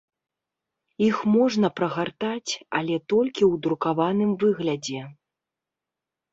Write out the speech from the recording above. Іх можна прагартаць, але толькі ў друкаваным выглядзе.